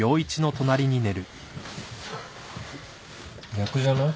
逆じゃない？